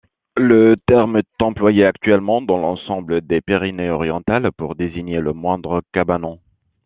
Le terme est employé actuellement dans l’ensemble des Pyrénées-Orientales pour désigner le moindre cabanon.